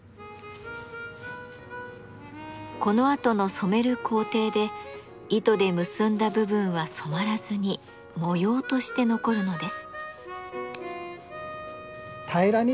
このあとの染める工程で糸で結んだ部分は染まらずに模様として残るのです。